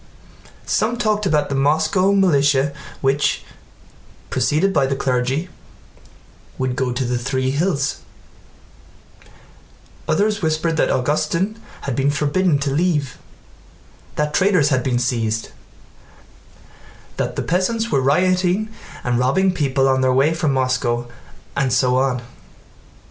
Some talked about the Moscow militia which, preceded by the clergy, would go to the Three Hills; others whispered that Augustin had been forbidden to leave, that traitors had been seized, that the peasants were rioting and robbing people on their way from Moscow, and so on.